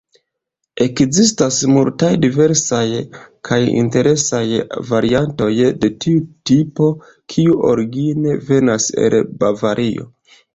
Ekzistas multaj diversaj kaj interesaj variantoj de tiu tipo, kiu origine venas el Bavario.